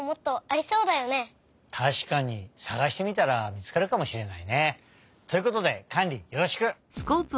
たしかにさがしてみたらみつかるかもしれないね。ということでカンリよろしく！